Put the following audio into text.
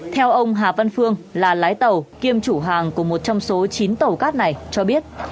theo ông hà văn phương là lái tàu kiêm chủ hàng của một trong số chín tàu cát này cho biết